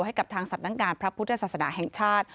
ให้กับทางสำนักงานพระพุทธศาสนาแห่งชาติ